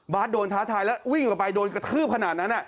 โดนท้าทายแล้ววิ่งออกไปโดนกระทืบขนาดนั้น